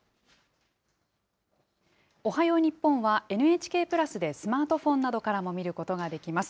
おはよう日本は、ＮＨＫプラスでスマートフォンなどからも見ることができます。